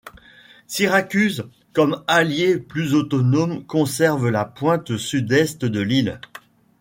Syracuse comme alliée plus autonome conserve la pointe sud-est de l’île.